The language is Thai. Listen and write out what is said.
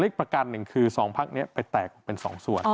อีกประการหนึ่งคือสองภักดิ์นี้เป็นแตกเป็นสองส่วน